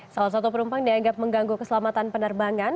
salah satu penumpang dianggap mengganggu keselamatan penerbangan